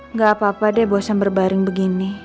nggak apa apa deh bosan berbaring begini